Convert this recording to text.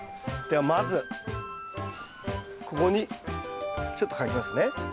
ではまずここにちょっと書きますね。